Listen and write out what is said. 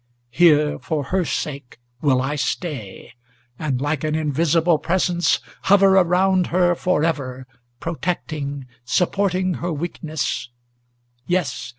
Here for her sake will I stay, and like an invisible presence Hover around her for ever, protecting, supporting her weakness; Yes!